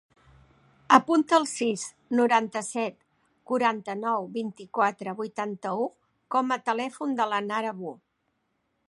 Apunta el sis, noranta-set, quaranta-nou, vint-i-quatre, vuitanta-u com a telèfon de la Nara Wu.